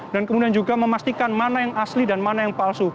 dan kemudian juga memastikan mana yang asli dan mana yang palsu